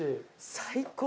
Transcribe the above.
最高！